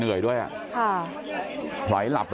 เพื่อนบ้านเจ้าหน้าที่อำรวจกู้ภัย